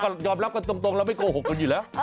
ก็ยอมรับกันตรงเราไม่โกหกกันอยู่แล้ว